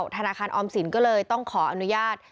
ธนาคารออมสินก็เลยต้องขออนุญาต